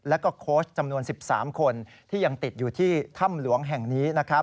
และโค้ชจำนวน๑๓คนที่ยังติดอยู่ที่ถ้ำหลวงแห่งนี้